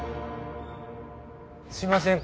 すいません。